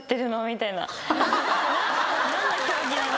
「何の競技なの？」